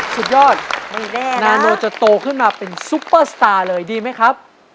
สุดยอดนาโนจะโตขึ้นมาเป็นซุปเปอร์สตาร์เลยดีไหมครับ